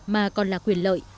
mà còn là quyền lợi